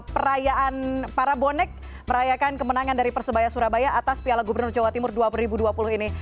perayaan para bonek merayakan kemenangan dari persebaya surabaya atas piala gubernur jawa timur dua ribu dua puluh ini